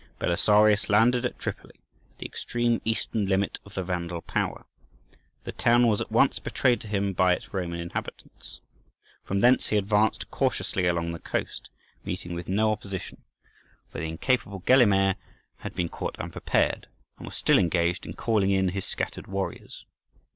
Belisarius landed at Tripoli, at the extreme eastern limit of the Vandal power. The town was at once betrayed to him by its Roman inhabitants. From thence he advanced cautiously along the coast, meeting with no opposition; for the incapable Gelimer had been caught unprepared, and was still engaged in calling in his scattered warriors.